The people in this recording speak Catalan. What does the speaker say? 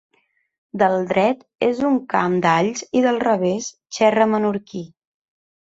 Del dret és un camp d'alls i del revés xerra menorquí.